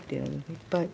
いっぱい。